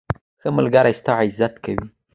ښه ملګری ستا عزت کوي.